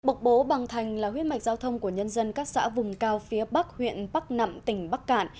bộc bố bằng thành là huyết mạch giao thông của nhân dân các xã vùng cao phía bắc huyện bắc nẵm tỉnh bắc cạn